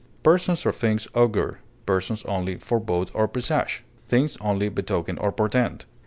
"Persons or things augur; persons only forebode or presage; things only betoken or portend."